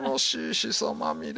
しそまみれ！」。